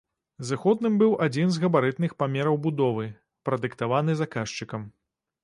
Зыходным быў адзін з габарытных памераў будовы, прадыктаваны заказчыкам.